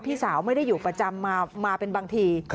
พี่สาวไม่ได้อยู่ประจำมาเป็นบางที